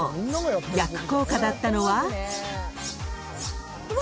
逆効果だったのは？］